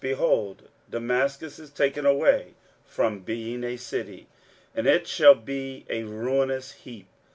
Behold, Damascus is taken away from being a city, and it shall be a ruinous heap.